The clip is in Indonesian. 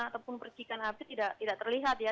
ataupun percikan api tidak terlihat ya